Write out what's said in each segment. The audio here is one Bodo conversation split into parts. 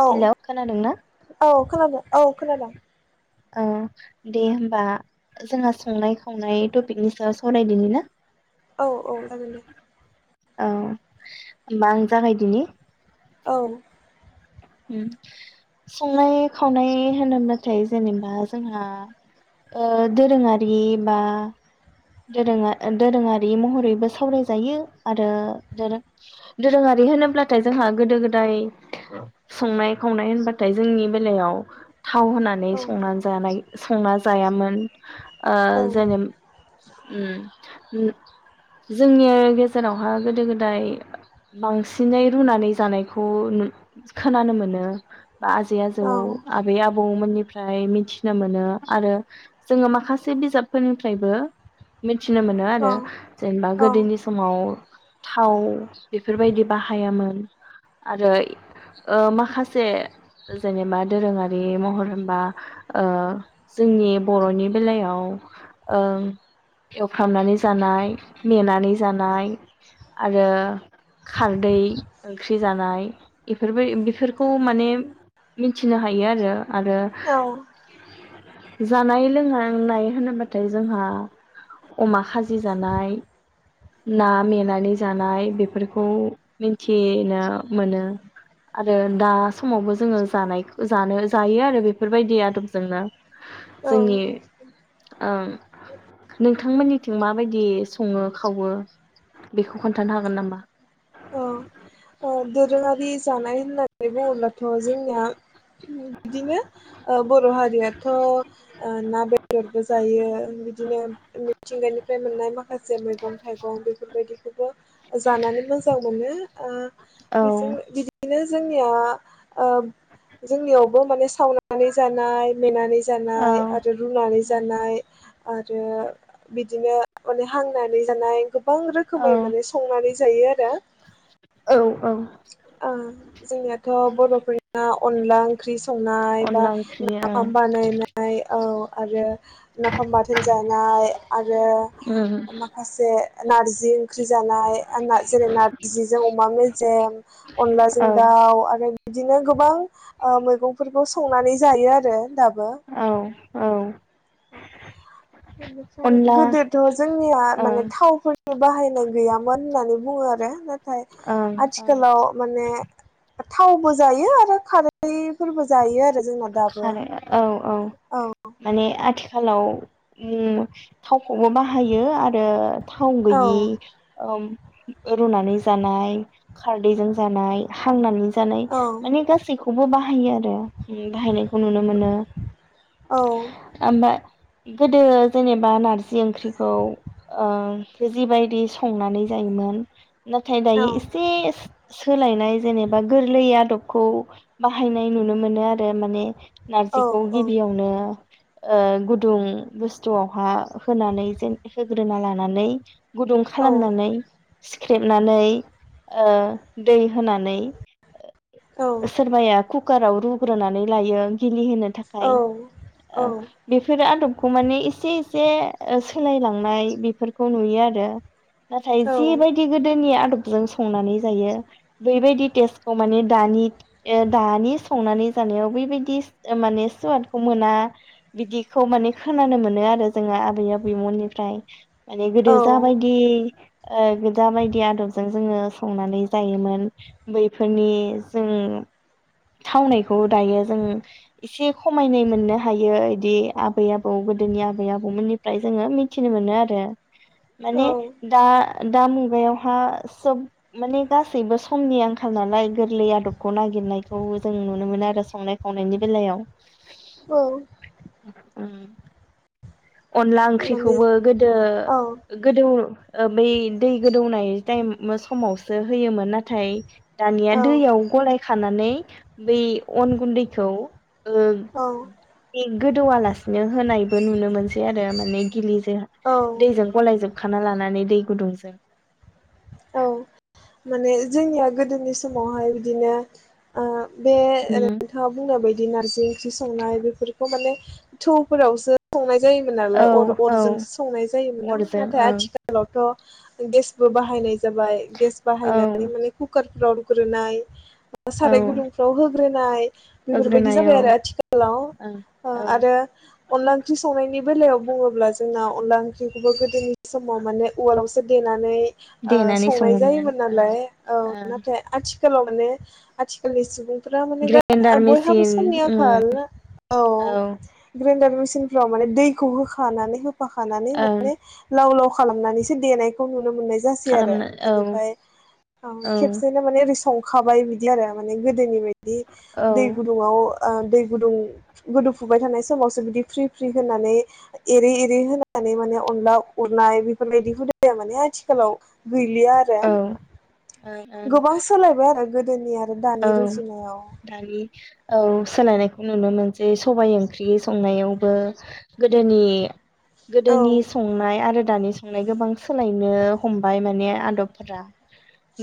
औ हेलौ खोनादोंना औ खोनादों औ खोनादों औ दे होमबा जोंहा संनाय खावनाय टपिकनि सायाव सावरायदिनि ना औ औ जागोन दे औ होमबा आं जागायदिनि औ संनाय खावनाय होनोब्लाथाय जेनेबा जोंहा ओ दोरोङारि बा दोरों आ दोरोङारि महरैबो सावरायजायो आरो दोरोङारि होनोब्लाथाय जोंहा गोदो गोदाय संनाय खावनाय होनबाथाय जोंनि बेलायाव थाव होनानै औ संनानै जानाय संना जायामोन ओ औ जेने उम जोंनि गेजेरावहा गोदो गोदाय बांसिनै रुनानै जानायखौ नु खोनानो मोनो बा आजै आजौ औ आबै आबौमोननि फ्राय मिथिनो मोनो आरो जोङो माखासे बिजाबफोरनिफ्रायबो मि थिनो मोनो औ आरो जेनेबा गोदोनि समाव थाव बेफोरबायदि बाहायामोन आरो ओ माखासे जेनेबा दोरोङारि महर होनबा ओ जोंनि बरनि बेलायाव ओ एवफ्रामनानै जानाय मेनानै जानाय आरो खारदै ओंख्रि जानाय इफोरबाय बेफोरखौ माने मिथिनो हायो आरो आरो औ जानाय लोंनाय होनोब्लाथाय जोंहा अमा खाजि जानाय ना मेनानै जानाय बेफोरखौ मिथिनो मोनो आरो दा समावबो जोङो जानाय जानो जायो आरो बेफोरबायदि आदबजोंनो जोंनि औ ओम नोंथांमोननिथिं माबायदि सङो खावो बेखौ खोन्थानो हागोन नामा अ दोरोङारि जानाय होननानै बुङोब्लाथ जोंनिया बिदिनो ओ बर हारियाथ ओ ना बेदरबो जायो बिदिनो मिथिंगानिफ्राय मोननाय माख खासे मैगं थाइगं बेफोरबायदि [unintelligible] जानानै मोजां मोनो ओ [inaudible] औ बिनो जोंनिया जोंनियावबो माने सावनानै जानाय मेनानै औ जानाय जानाय आरो रुनानै जानाय आरो बिदिनो माने हांनानै जानाय गोबां रोखोमै माने संनानै जायो आरो औ औ ओ जोंनियाथ बरफोरना अनला ओंख्रि संनाय बा अनला ओंख्रि नाफाम बानायनाय औ आरो नाफाम बाथोन जानाय आरो ओं माखासे नार्जि ओंख्रि जानाय ओ जेरै नारजिजों अमा मेजेम औ अनलाजों दाउ आरो बिदिनो गोबां ओ मैगंफोरखौ संनानै जायो आरो दाब औ औ बेनिफ्राय अनला गोदोथ जोंनिया माने ओं थावफोरनि बाहायनाय गैयामोन होननानै बुङो आरो नाथाय ओं आथिखालाव माने थावबो जायो आरो खारै खैफोरबो जायो आरो जोंना दाबो खारे औ औ माने आथिा खालाव उम थावखौबो बाहायो आरो थाव औ गैयि ओम रुनानै जानाय खारदैजों जानाय हांनानै जानाय औ माने गासैखौ खौबो बाहायो आरो उम बाहायनायखौ नुनो मोनो औ ओमबा गोदो जेनेबा नारजि ओंख्रिखौ ओ जिबायदि संनानै जायोमोन नाथायाय औ दायो इसे सोलायनाय जेनेबा गोरलै आदबखौ बाहायनाय नुनो मोनो आर ओ माने नारजिखौ औ गिबियावनो ओ गुदुं बुस्थुआवहा होनानै जोन होग्रोना लानानै गुदुं औ खालामनानै सिख्रेबनानै ओ दै होनानै औ सोरबाया कुकाराव रु रुनानै लायो गिलि होनो थाखाय औ ओ औ बेफोरो आदब खौ माने एसे एसे सोलायलांनाय बेफोरखौ नुयो आरो नाथाय औ जिबायदि गोदोनि आदब जों संनानै जायो बैबायदि टेसखौ माने दानि ओ दानि संनानै जानायाव बैबायदि माने सुवादखौ मोना बिदिखौ माने खोनानो मोनो आरो जोंहा आबै मोननिफ्राय। माने गोदो जाबायदि ओ गोजा बायदि आदबजों जोङो संनानै जायोमोन बैफोरनि जों थावनाय बेखौ दायो जों एसे खमायनाय मोननो हायो बिदि आबै आबौ गोदोनि आबै आबौमोननिफ्राय जोङो मिथिनो मोनो आरो माने औ दा दा मुगायावहा सोब माने गासैबो समनि आंखाल नालाय गोरलै आदबखौ नागिरनायखौ जों न नुनो मोन आरो संनाय खावनायनि बेलायाव औ उम अनला माने ओंख्रिखौबो औ गोदो-गोदो बै दै गोदौनाय टाइम समावसो होयोमोन नाथाय दानिया औ दैयाव गलाय खाना नै बै अन गुन्दैखौ ओं इं गोदौलासिनो होनायबो नुनो मोनसै आरो माने गिलि [unintelligible] औ दैजों गलायजों होखाना लानानै दै गुदुंजों औ माने जोंनिया गोदोनि समावहाय बिदिनो ओ बे उम नोंथाङा बुंनाय बायदि बि नारजि थि संनाय बेफोरखौ माने थौफोरावसो संनाय जायोमोन औ नालाय अर औ अरजोंसो संनाय जायोमोना अरजों नाथाय ओं आथिखालावथ गेसबो बाहायनाय जाबाय गेस औ बाहायनानै माने कुकार रनगुरनाय औ साराय गुदुंफ्राव हो ग्रोनाय बेफोरबायदि होग्रोनाय जाबाय औ आरो आथिखालाव ओं ओ औ आरो अनला ओंख्रि संनायनि बे बेलायाव बुङोब्ला जोंना अनला ओंख्रिखौबो गोदोनि समाव माने उवालावसो देनानै ओ देनानै संनाय सङोमोन जायोमोन ओं नालाय औ ओं नाथाय आथि- खालाव माने आथिखालनि सुबुं फ्रा मानि ग्रेन्डार बयहाबो मेसिन समनि उम आंखाल औ ग्रेण्डार मेसि दिंखियाव माने दैखौ होखानानै हो होखानानै ओं माने लाव लाव खालामनानैसो देनायखौ नुनो मोननाय जासै आरो खालामनो औ बिनिफाय औ खेबसेनो माने संखाबाय बिदि आरो माने गोदोनि बाय दि दै औ गुदुङाव ओ दै गुदुं गोदौफुबाय थानाय समावसो बिदि फ्रि फ्रि होनानै एरै एरै होनानै माने अनला उरनाय बेफोरबायदि हुदाया माने आथिखालाव गैलिया आरो ओं ओं गोबां सोलायबाय आरो गो [unintelligible] औ दानि औ सोलायनायखौ नुनो मोनसै सबाइ ओंख्रि संनायावबो गोदोनि औ गोदोनि संनाय आरो दानि संनाय गोबां सोलायनो हमबाय माने आदबफोरा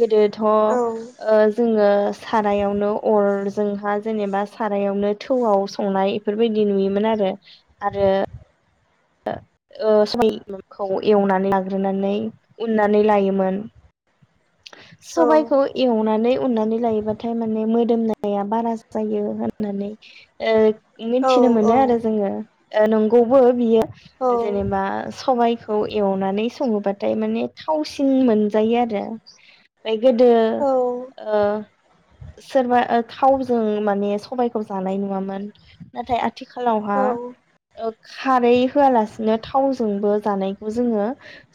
गोदो थ औ ओ जोङो सारायावनो अर जोंहा जेनेबा सारायावनो थौआव संनाय इफोरबायदि नुयोमोन आरो आरो ओ [unintelligible] एवनानै लाग्रोनानै उननानै लायोमोन सबाइखौ एवनानै उननानै लायोबाथाय माने मो- [unintelligible] नाया बारा जायो होननानै ओ औ मिनथिनो मोनो आरो औ जोङो ओ नंगौबो बियो औ जेनेबा सबाइ खौ एवनानै सङोबाथाय माने थावसिन मोनजायो आरो गोदो ओ सोरबा ओ थावजों माने सबायखौ जानाय नुवामोन नाथाय आथिखालावहा औ ओ खारै होआलासिनो थावजोंबो जानायखौ जोङो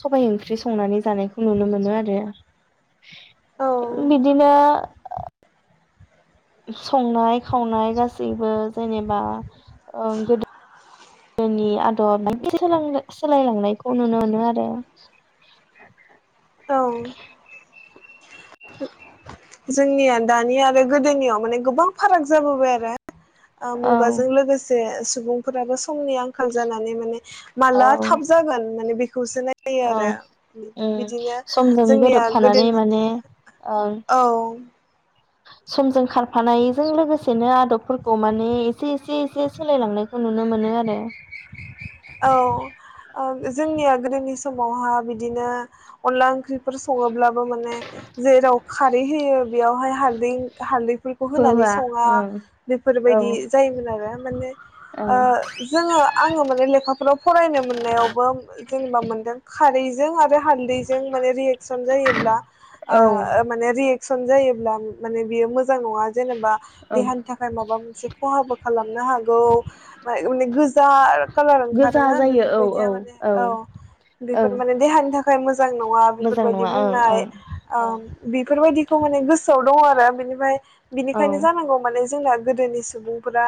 सबाय ओंख्रि संनानै जानायखौ नुनो मोनो आरो औ बिदिनो संनाय खावनाय गासैबो जेनेबा ओं गोदो गोदोनि आदब [inaudible] सोलायलांनायखौ नुनो मोनो आरो औ जोंनिया दानि आरो गोदोनियाव माने गोबां फाराग जाबोबाय आरो औ मुगाजों लोगोसे सुबुंफोराबो समनि आंखाल जानानै माने औ माला थाब जागोन माने बे खौसो नायो औ आरो उम बिदिनो समजों जोंनिया गोरोबफानानै गोदोनि माने ओं औ समजों खारफानायजों लोगोसेनो आदबफोरखौ माने एसे एसे एसे सोलायलांनायखौ नुनो मोनो आरो औ जोंनिया गोदोनि समावहा बिदिनो अनला ओंख्रिफोर सङोब्लाबो माने जेराव खारै होयो बेयावहाय हालदै हालदैफोरखौ होनानै हौवा सङा ओं औ बेफोरबायदि जायोमोन आरो माने औ जोङो आङो माने लेखाफोराव फरायनो मोननायावबो जेनेबा मोनदों खारै जों हालदैजों माने रियेगसन जायोब्ला औ माने रियेग एसन जायोब्ला माने बेयो मोजां नङा जेनेबा औ देहानि थाखाय माबा मोनसे खहाबो खालामनो हागौ गोजा कालार ओं आरो गोजा ना जायो औ औ बेफोरबायदिया माने औ औ बेफोर माने देहानि थाखाय मोजां नङा मोजां बेफोरबायदि नङा बुंनाय ओं ओं बेफोरबायदिखौ माने गोसोआव दङ आरो बेनि फ्राय बिनिखायनो ओं जानांगौ माने जोंना गोदोनि सुबुंफोरा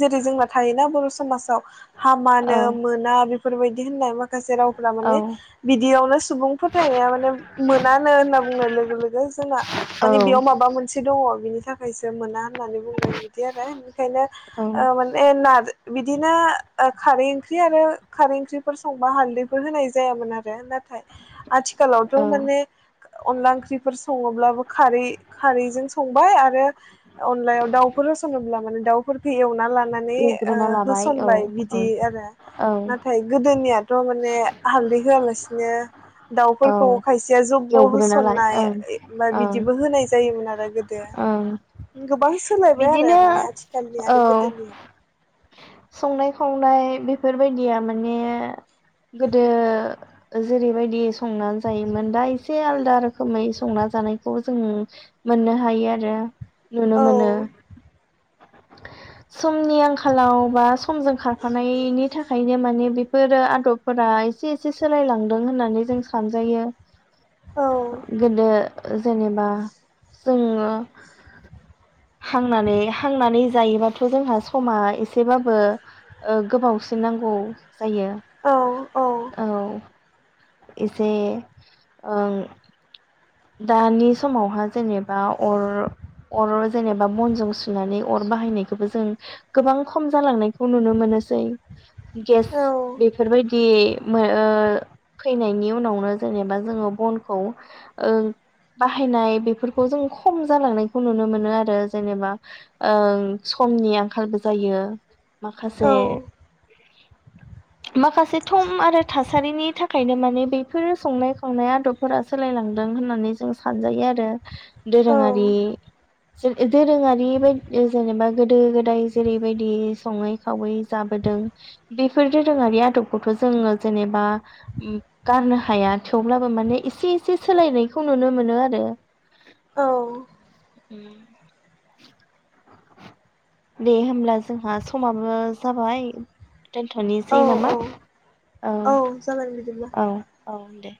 जेरै जोंना थायोना बर समाजाव हामानो औ मोना बे फोरबाय दि होननाय माखासे रावफोरा औ माने बिदियावनो सुबुं फोथायनाया माने मोनानो होनना बुंनाय लोगो लोगो जोंना औ माने औ बेयाव माबा मोनसे दङ। बिनि थाखायसो मोना होननानै बुंदों बिदि आरो ओनिखायनो औ माने न बिदिनो ओ खारै ओंख्रि आरो खारै ओंख्रिफोर संबा हाल्दैफोर होनाय जायामोन आरो ना थाइ आथिखालावथ औ माने अनला ओंख्रिफोर सङोब्लाबो खारै खारैजों संबाय आरो अनलायाव दाउफोर होसनोब्ला माने दाउफोरखौ एवना ला नानै ओ एवग्रोना लाबाय औ होसनबाय बि औ बिदि आरो औ नाथाय गोदोनिया थ माने हालदै होआलासिनो औ दाउफोरखौ खायसेया जब्ब एवग्रोना ला होसननाय ओं बा ओं बिदिबो होनाय जायो। आरो गोदो ओं गोबां सोलायबाय आरो बिदिनो माने आथिखालनि औ आरो गोदोनियाव फ्राय बेफोरबायदिया माने गोदो जेरैबायदि संनानै जायोमोन दा एसे आलदा रोखोमै संना जानायखौ जों। मोननो हायो आरो। नुनो औ मोनो। समनि आंखालाव बा। समजों खारफानायनि थाखायनो माने। बेफोरो आदबफोरा एसे एसे सोलायलांदों होननानै जों सानजायो। औ गोदो। जेनेबा। जोङो हांनानै हांनानै जायोबाथ जोंहा समा एसेबाबो ओ गोबावसिन नांगौ। जायो औ औ। एसे ओं दानि समावहा जेनेबा अर अर जेनेबा बनजों सुनानै अर बाहायनायखौबो जों गोबां खम जालांनायखौ नुनो मोनोसै। गेस औ बेफोरबायदि। मो ओ फैनायनि उनावनो जेनेबा जोङो बनखौ। ओं बाहायनाय बेफोरखौ जों खम जालांनायखौ नुनो मोनो आरो जेनेबा ओ‌ समनि आंखालबो जायो। औ माखासे। माखासे थम आरो थास थासारिनि थाखायनो माने बेफोरो संनाय खावनाय आदबफोरा सोलायलांद दों होननानै जों सानजायो आरो। औ दोरोङारि। जों ओ दोरोङारि बायदि जेनेबा गोदो गोदाय जेरैबायदि सङै खावै जाबोदों बेफोर दोरोङारि आदबखौथ जोङो जेनेबा उम गारनो हाया थेवब्लाबो माने एसे एसे। सोलायनायखौ नुनो मोनो आरो। औ। उम दे होनब्ला जोंहा समाबो जाबाय। औ दोनथनोसै औ नामा औ जागोन बिदिब्ला औ औ दे।